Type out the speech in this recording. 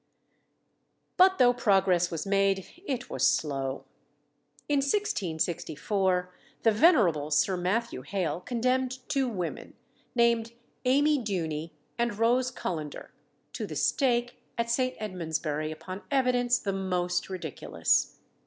] But though progress was made, it was slow. In 1664, the venerable Sir Matthew Hale condemned two women, named Amy Duny and Rose Cullender, to the stake at St. Edmondsbury, upon evidence the most ridiculous.